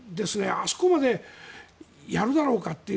あそこまでやるだろうかっていう。